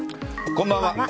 こんばんは。